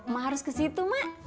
mak harus ke situ mak